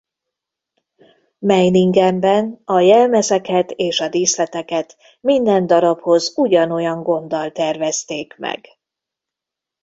Meiningenben a jelmezeket és a díszleteket minden darabhoz ugyanolyan gonddal tervezték meg.